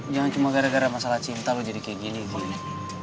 jangan cuma gara gara masalah cinta lo jadi kayak gini gini